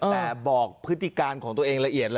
แต่บอกพฤติการณ์ของตัวเอง